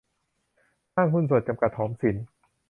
ห้างหุ้นส่วนจำกัด หอมสิน